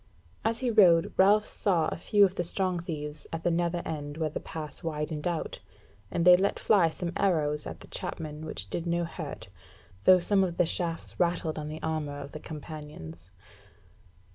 As he rode Ralph saw a few of the Strong thieves at the nether end where the pass widened out, and they let fly some arrows at the chapmen which did no hurt, though some of the shafts rattled on the armour of the companions.